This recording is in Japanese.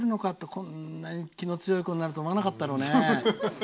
こんなに気の強い子になるとは思わなかっただろうね。